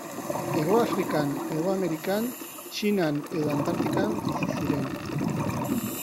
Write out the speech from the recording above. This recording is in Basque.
Hegoafrikan, Hego Amerikan, Txinan edo Antartikan bizi ziren.